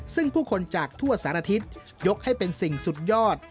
ซึ่งผู้คนจากทั่วสารทิศยกให้เป็นสิ่งสุดยอด